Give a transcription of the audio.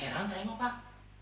heran saya mau pak